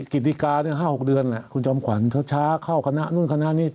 กิจดีการณ์ถึง๕๖เดือนคุณจำขวัญช้าเข้าคณะนู่นคณะนี้